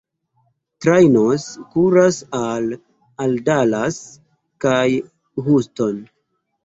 Trajnoj kuras al al Dallas kaj Houston.